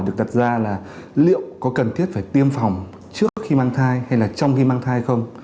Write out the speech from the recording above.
được đặt ra là liệu có cần thiết phải tiêm phòng trước khi mang thai hay là trong khi mang thai không